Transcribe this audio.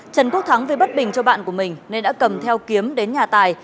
trần quốc thắng vì bất bình cho bạn của mình nên đã cầm theo kiếm đến nhà tài